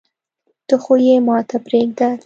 ته خو يي ماته پریږده